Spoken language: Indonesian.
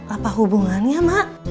apa hubungannya mak